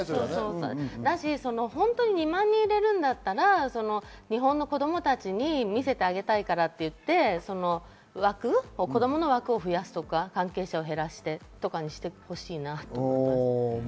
本当に２万人入れるんだったら日本の子供たちに見せてあげたいからって言って、その枠を子供枠を増やすとかにしてほしいなと思います。